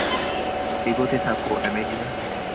এগোতে থাকো, অ্যামেলিয়া।